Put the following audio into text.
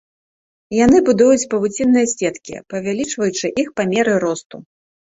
Яны будуюць павуцінныя сеткі, павялічваючы іх па меры росту.